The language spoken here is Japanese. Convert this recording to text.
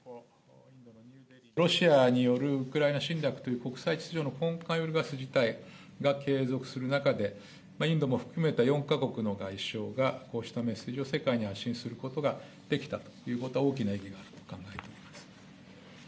ロシアによるウクライナ侵略という国際秩序の根幹を揺るがす事態が継続する中で、インドも含めた４か国の外相がこうしたメッセージを世界に発信することができたということは、大きな意義があると考えております。